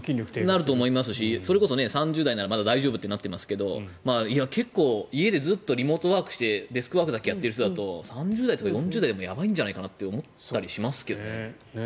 なると思いますしそれこそ３０代はまだ大丈夫って言ってますけどいや、家でずっとリモートワークデスクで仕事していると３０代とか４０代でもやばいんじゃないかなって思ったりしますね。